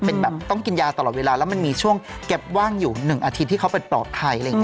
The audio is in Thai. เป็นแบบต้องกินยาตลอดเวลาแล้วมันมีช่วงเก็บว่างอยู่๑อาทิตย์ที่เขาไปปลอดภัยอะไรอย่างนี้